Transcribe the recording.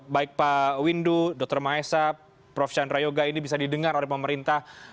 baik pak windu dr maesa prof chandra yoga ini bisa didengar oleh pemerintah